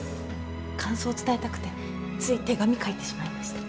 感想伝えたくてつい手紙書いてしまいました。